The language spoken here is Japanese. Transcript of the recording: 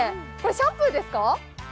シャンプーですか？